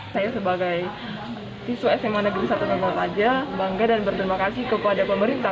saya sebagai siswa sma negeri satu memang saja bangga dan berterima kasih kepada pemerintah